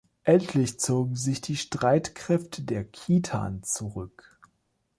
Endlich zogen sich die Streitkräfte der Khitan zurück.